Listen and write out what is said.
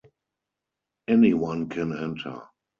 Anyone can enter.